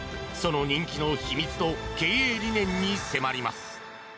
その人気の秘密と経営理念に迫ります。